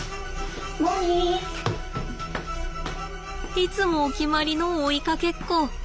いつもお決まりの追いかけっこ。